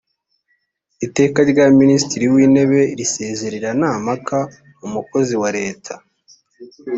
iteka rya minisitiri w intebe risezerera nta mpaka umukozi wa leta